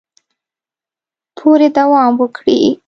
پورې دوام وکړي